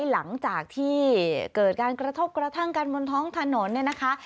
หลังจากที่เกิดการกระทบกระทั่งกันบนท้องถนนเนี่ยนะคะ